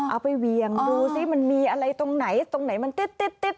เอาไปเวียงดูสิมันมีอะไรตรงไหนตรงไหนมันติ๊ด